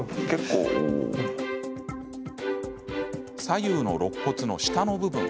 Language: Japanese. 左右の、ろっ骨の下の部分。